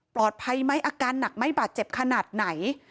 ไหมอาการหนักไหมบาดเจ็บขนาดไหน